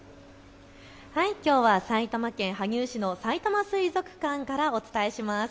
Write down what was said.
きょうは埼玉県羽生市のさいたま水族館からお伝えします。